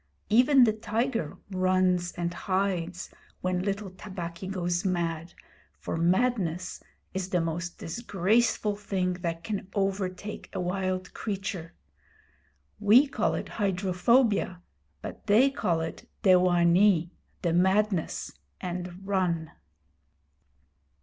Even the tiger runs and hides when little Tabaqui goes mad, for madness is the most disgraceful thing that can overtake a wild creature. We call it hydrophobia, but they call it dewanee the madness and run.